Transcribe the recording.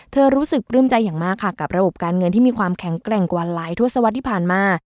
เธอรู้สึกปลื้มใจอย่างมากค่ะกับระบบการเงินที่มีความแข็งแกร่งกว่าหลายทศวรรษที่ผ่านมา